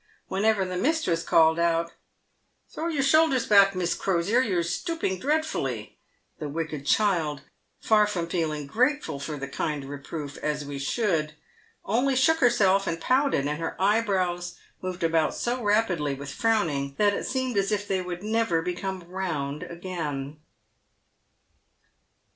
"Whenever the mistress called out, " Throw your shoulders back, Miss Crosier, you're stooping dreadfully," the wicked child, far from feeling grateful for the kind reproof, as we should, only shook herself, and pouted, and her eyebrows moved about so rapidly with frowning, that it seemed as if they would never become round again.